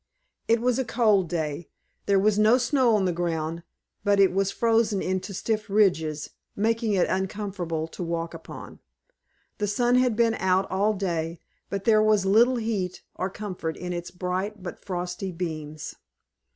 It was a cold day. There was no snow on the ground, but it was frozen into stiff ridges, making it uncomfortable to walk upon. The sun had been out all day, but there was little heat or comfort in its bright, but frosty beams.